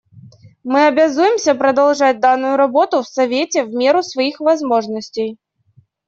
Мы обязуемся продолжать данную работу в Совете в меру своих возможностей.